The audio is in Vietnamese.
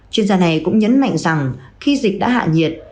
chuyên gia này cũng nhấn mạnh rằng khi dịch đã hạ nhiệt